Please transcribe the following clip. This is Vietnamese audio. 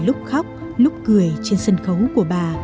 lúc khóc lúc cười trên sân khấu của bà